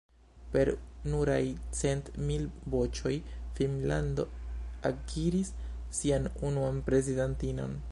Per nuraj cent mil voĉoj Finnlando akiris sian unuan prezidantinon.